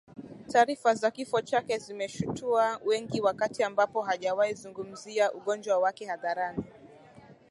Taarifa za kifo chake zimeshutua wengi wakati ambapo hajawahi kuzungumzia ugonjwa wake hadharani